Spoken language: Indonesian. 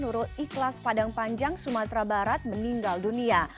nurul ikhlas padang panjang sumatera barat meninggal dunia